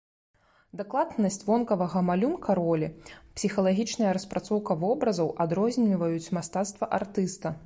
Дакладнасць вонкавага малюнка ролі, псіхалагічная распрацоўка вобразаў адрозніваюць мастацтва артыста.